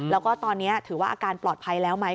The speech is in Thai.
แล้วก็ตอนนี้ถือว่าอาการปลอดภัยแล้วไหม